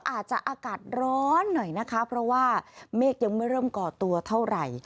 อากาศร้อนหน่อยนะคะเพราะว่าเมฆยังไม่เริ่มก่อตัวเท่าไหร่